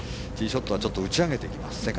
ティーショットは打ち上げていきます。